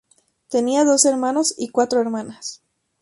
Tenía dos hermanos y cuatro hermanas.